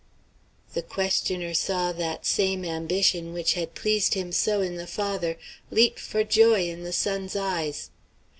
The questioner saw that same ambition which had pleased him so in the father, leap for joy in the son's eyes.